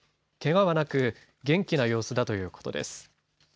けがはなく元気な様子だということです。